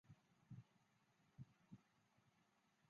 伟鬣兽的体型可以比美蒙古安氏中兽。